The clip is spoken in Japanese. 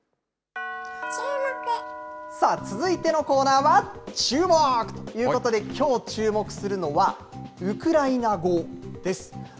さあ、続いてのコーナーは、チューモク！ということで、きょう注目するのは、ウクライナ語です。